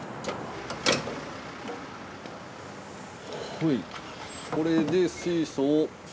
ほいこれで水素を。